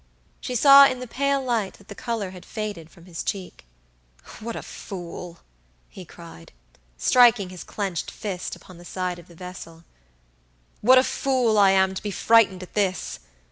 She saw in the pale light that the color had faded from his cheek. "What a fool!" he cried, striking his clenched fist upon the side of the vessel, "what a fool I am to be frightened at this?